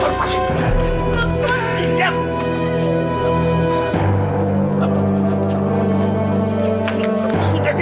wajib dayang sama bapak